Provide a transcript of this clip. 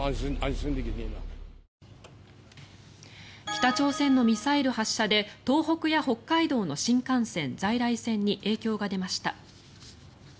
北朝鮮のミサイル発射で東北や北海道の新幹線、在来線に影響が出ました。